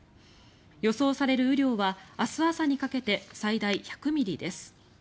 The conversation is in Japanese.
予想される雨量は明日朝にかけて最大１００ミリです。